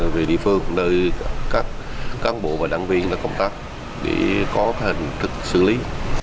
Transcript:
về địa phương nơi các bộ và đảng viên đã công tác để có hành thực xử lý